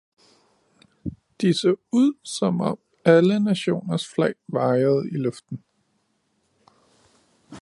de så ud, som om alle nationers flag vajede i luften.